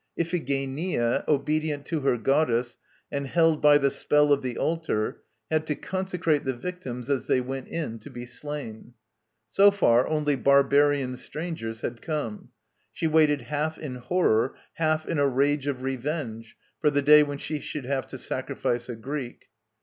Iphigenia, obedient to her goddess, and held by "the spell of the altar," had to consecrate the victims as they went in to be slain. So far only barbarian strangers had come: she waited half in horror, half in a rage of revenge, for the day when she should have to sacrifice a Greek.